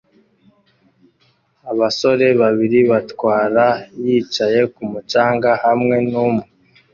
Abasore babiri batwara yicaye kumu canga hamwe numwe